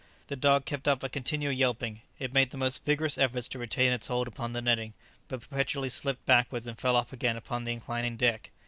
The dog kept up a continual yelping; it made the most vigourous efforts to retain its hold upon the netting, but perpetually slipped backwards and fell off again upon the inclining deck.